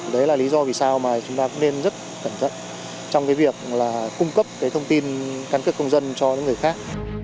đấy là lý do vì sao mà chúng ta cũng nên rất cẩn thận trong việc cung cấp thông tin cân cước công dân cho những người khác